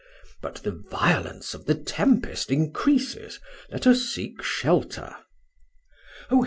But the violence of the tempest increases let us seek shelter." "Oh!